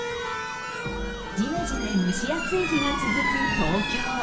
じめじめ蒸し暑い日が続く東京。